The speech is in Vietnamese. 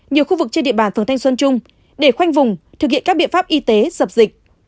nhiều khu vực trên địa bàn phường thanh xuân trung để khoanh vùng thực hiện các biện pháp y tế dập dịch